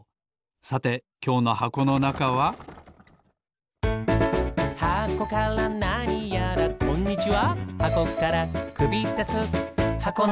さてきょうのはこのなかはこんにちは。